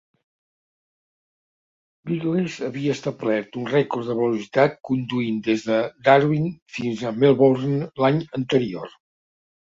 Birtles havia establert un rècord de velocitat conduint des de Darwin fins a Melbourne l'any anterior.